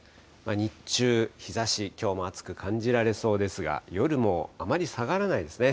日中、日ざし、きょうも暑く感じられそうですが、夜もあまり下がらないですね。